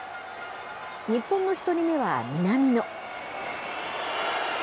日本の１人目は南野。